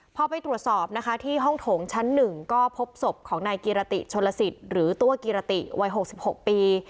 พอไปตรวจสอบนะคะที่ห้องโถงชั้น๑ก็พบศพของนายกิรติชนลสิทธิ์หรือตัวกิรติวัย๖๖ปี